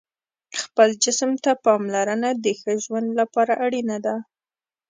خپل جسم ته پاملرنه د ښه ژوند لپاره اړینه ده.